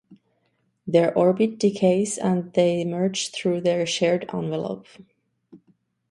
Their orbit decays and they merge through their shared envelope.